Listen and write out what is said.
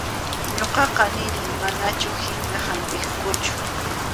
Ñuqaqa nini manachu hina hampiqkuchu.